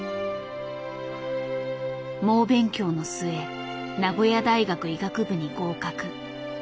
猛勉強の末名古屋大学医学部に合格。